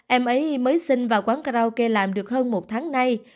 em ấy mới sinh vào quán karaoke làm được hơn một tháng nay